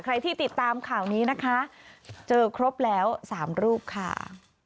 ใครที่ติดตามข่าวนี้นะคะเจอครบแล้ว๓รูปค่ะ